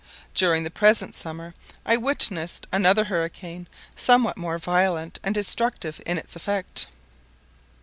During the present summer I witnessed another hurricane, somewhat more violent and destructive in its effect.